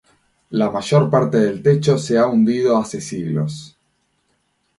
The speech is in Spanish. La mayor parte del techo se ha hundido hace siglos.